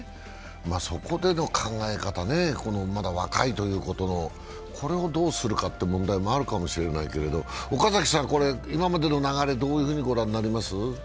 そこでの考え方ね、まだ若いということの、これをどうするかという問題もあるかもしれないけれども岡崎さん、今までの流れ、どういうふうに御覧になります？